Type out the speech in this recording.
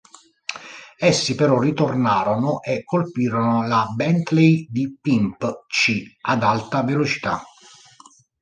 Essi però ritornarono e colpirono la Bentley di Pimp C ad alta velocità.